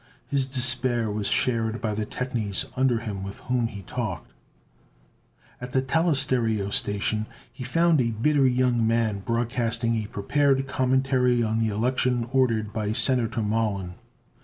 His despair was shared by the technies under him with whom he talked. At the telestereo station he found a bitter young man broadcasting a prepared commentary on the election ordered by Senator Mollon.